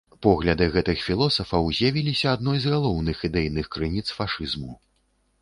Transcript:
Погляды гэтых філосафаў з'явіліся адной з галоўных ідэйных крыніц фашызму.